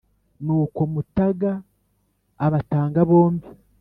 nuko mutaga abatanga bombi,